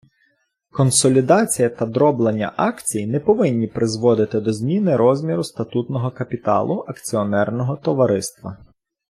Консолідація та дроблення акцій не повинні призводити до зміни розміру статутного капіталу акціонерного товариства.